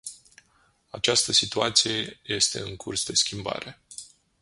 Această situație este în curs de schimbare.